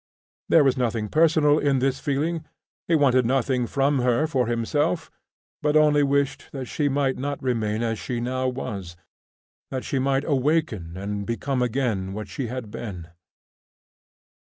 There was nothing personal in this feeling: he wanted nothing from her for himself, but only wished that she might not remain as she now was, that she might awaken and become again what she had been.